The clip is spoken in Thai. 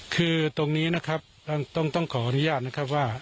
คือตรงนี้นะครับต้องขออนุญาตนะครับว่า